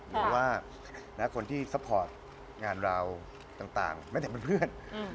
หรือว่าคนที่ซัพพอร์ตงานเราต่างไม่ได้เป็นเพื่อน